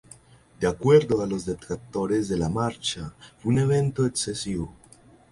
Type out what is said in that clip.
De acuerdo a los detractores de la marcha, fue un evento excesivo.